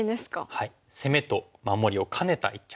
はい攻めと守りを兼ねた一着。